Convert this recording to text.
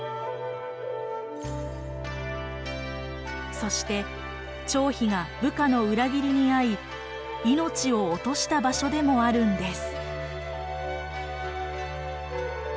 そして張飛が部下の裏切りに遭い命を落とした場所でもあるんです。